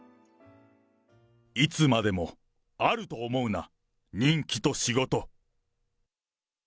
いつまでもあると思うな人気と仕事。